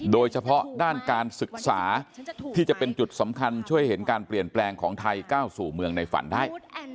โดยเฉพาะด้านการศึกษาที่จะเป็นจุดสำคัญช่วยเห็นการเปลี่ยนแปลงของไทยก้าวสู่เมืองในฝันได้